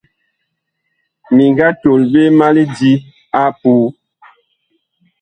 Mi nga tol ɓe ma lidi apuu.